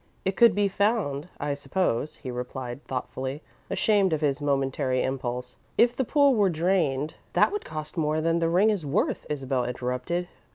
"It could be found, I suppose," he replied, thoughtfully, ashamed of his momentary impulse. "If the pool were drained " "That would cost more than the ring is worth," Isabel interrupted.